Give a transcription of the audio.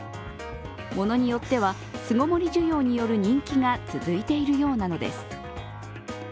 ものによっては巣ごもり需要による人気が続いているようなのです。